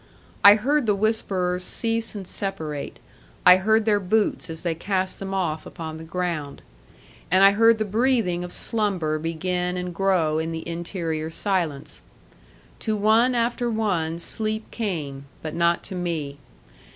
I heard the whisperers cease and separate. I heard their boots as they cast them off upon the ground. And I heard the breathing of slumber begin and grow in the interior silence. To one after one sleep came, but not to me.